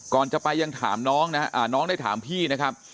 ก่อนจะไปยังถามน้องนะครับน้องได้ถามพี่นะครับ